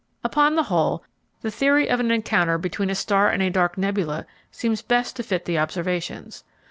Upon the whole, the theory of an encounter between a star and a dark nebula seems best to fit the observations.